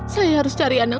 saya harus cari dia